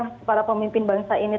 ini harusnya para pemimpin bangsa ini